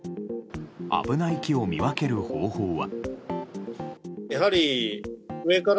危ない木を見分ける方法は。